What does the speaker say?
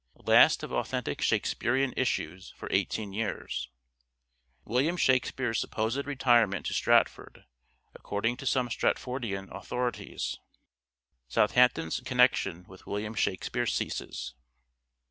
Last of authentic Shakespearean issues for 18 years. William Shakspere's supposed retirement to Stratford (according to some Stratfordian authorities). Southampton's connection with William Shak spere ceases.